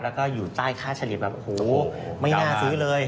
แล้วก็อยู่ใต้ค่าเฉลี่ยแบบโหไม่น่าซื้อเลย